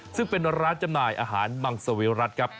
ซึ่งเป็นร้านจำหน่ายอาหารมังสวิรัติครับ